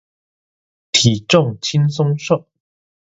體重輕鬆瘦